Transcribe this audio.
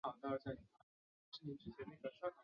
疏齿茶是山茶科山茶属的植物。